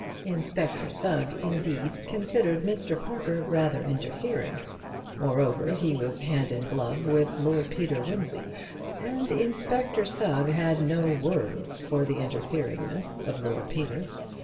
Inspector Sugg, indeed, considered Mr. Parker rather interfering; moreover, he was hand in glove with Lord Peter Wimsey, and Inspector Sugg had no words for the interferingness of Lord Peter.